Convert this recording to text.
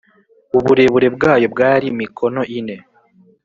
uburebure bwayo bwari mikono ine